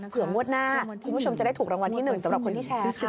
งวดหน้าคุณผู้ชมจะได้ถูกรางวัลที่๑สำหรับคนที่แชร์ค่ะ